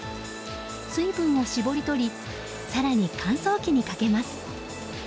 水分を搾り取り更に乾燥機にかけます。